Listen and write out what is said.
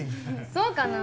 そうかな